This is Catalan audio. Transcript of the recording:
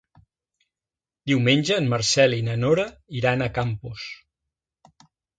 Diumenge en Marcel i na Nora iran a Campos.